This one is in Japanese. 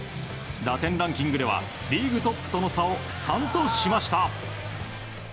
打点ランキングではリーグトップとの差を３としました。